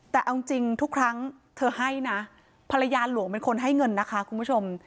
แต่เอาจริงทุกครั้งเธอให้นะภรรยาหลวงเป็นคนให้เงินนะคะคุณผู้ชม